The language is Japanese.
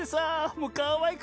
もうかわいくて。